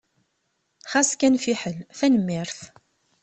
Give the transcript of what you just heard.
Xas kan fiḥel! Tanemmirt.